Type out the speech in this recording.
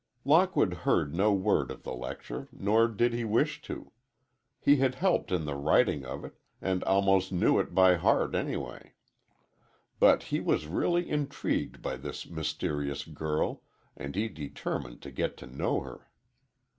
Lockwood heard no word of the lecture, nor did he wish to; he had helped in the writing of it, and almost knew it by heart anyway. But he was really intrigued by this mysterious girl, and he determined to get to know her.